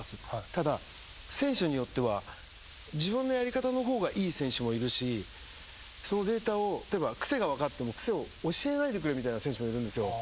ただ選手によっては自分のやり方の方がいい選手もいるしそのデータを例えば癖が分かっても癖を教えないでくれみたいな選手もいるんですよ。